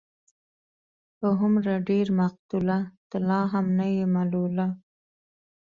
په هومره ډېر مقتوله، ته لا هم نه يې ملوله